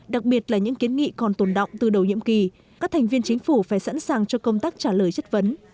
đặc biệt là những kiến nghị còn tồn động từ đầu nhiệm kỳ các thành viên chính phủ phải sẵn sàng cho công tác trả lời chất vấn